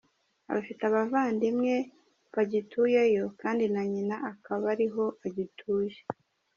Afite abavandimwe bagituye yo, kandi na nyina akaba ariho agituye.